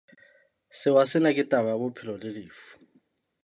Sewa sena ke taba ya bophelo le lefu.